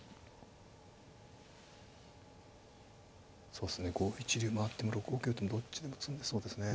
そうですね５一竜回っても６五桂とどっちでも詰みそうですね。